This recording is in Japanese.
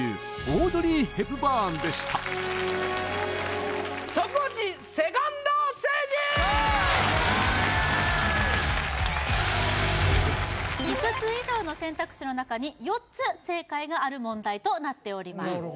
オードリー・ヘプバーンでしたソクオチセカンドステージ５つ以上の選択肢の中に４つ正解がある問題となっております